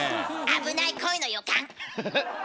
危ない恋の予感。